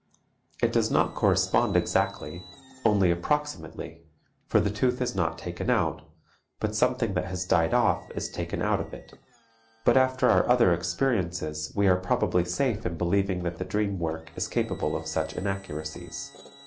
It does not correspond exactly, only approximately, for the tooth is not taken out, but something that has died off is taken out of it. But after our other experiences we are probably safe in believing that the dream work is capable of such inaccuracies.